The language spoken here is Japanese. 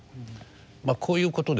まあこういうことですね。